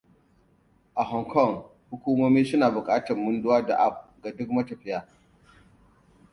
A Hong Kong, hukumomi suna buƙatar munduwa da app ga duk matafiya.